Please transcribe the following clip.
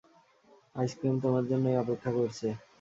Ice cream তোমার জন্যই অপেক্ষা করছে!